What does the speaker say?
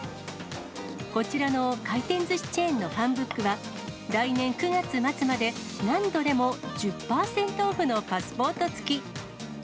こちらの回転ずしチェーンのファンブックは、来年９月末まで、何度でも１０％オフのパスポート付き。